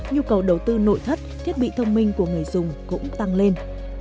nhu cầu đầu tư nội thất thiết bị thông minh của người dùng cũng tăng lên